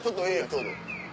ちょうど。